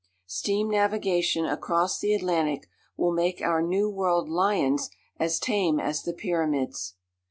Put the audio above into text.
Steam navigation across the Atlantic will make our New World lions as tame as the Pyramids.